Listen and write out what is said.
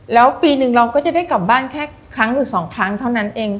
แล้วปีหนึ่งเราก็จะได้กลับบ้านแค่ครั้งหรือสองครั้งเท่านั้นเอง